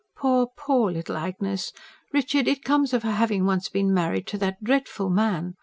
"Poor, poor little Agnes! Richard, it comes of her having once been married to that dreadful man.